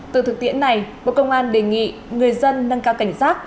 từ thực tiễn này bộ công an đề nghị người dân nâng cao cảnh giác